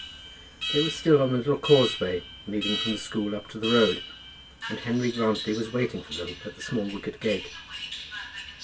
They were still on the little causeway leading from the school up to the road, and Henry Grantly was waiting for them at the small wicket gate.